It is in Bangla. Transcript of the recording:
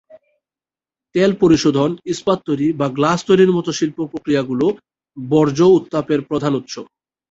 তেল পরিশোধন, ইস্পাত তৈরি বা গ্লাস তৈরির মতো শিল্প প্রক্রিয়াগুলি বর্জ্য উত্তাপের প্রধান উৎস।